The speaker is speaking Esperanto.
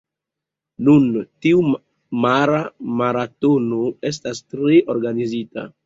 Nun, tiu mara maratono estas tre organizita.